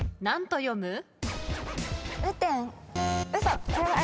何と読む？